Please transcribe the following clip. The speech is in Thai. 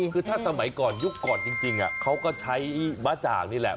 คือถ้าสมัยก่อนยุคก่อนจริงเขาก็ใช้ม้าจ่างนี่แหละ